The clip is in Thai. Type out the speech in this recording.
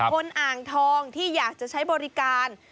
อ่างทองที่อยากจะใช้บริการ